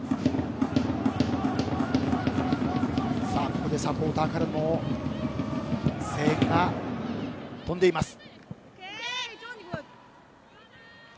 ここでサポーターからも声援が飛んでいます。